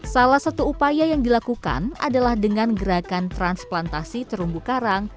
salah satu upaya yang dilakukan adalah dengan gerakan transplantasi terumbu karang